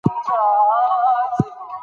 خواري یې په اوبو لاهو شوې وه.